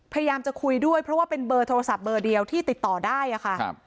พยายามจะคุยด้วยเพราะว่าเป็นเบอร์โทรศัพท์เบอร์เดียวที่ติดต่อได้อะค่ะ